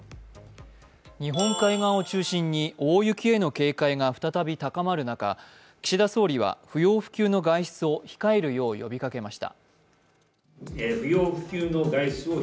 日本海側を中心に大雪への警戒が再び高まる中、岸田総理は不要不急の外出を控えるよう呼びかけました。